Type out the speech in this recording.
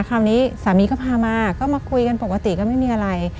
คราวนี้สามีก็พามาก็มาคุยกันปกติก็ไม่มีอะไร